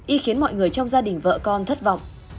y khiến mọi người trong gia đình vợ con thất vọng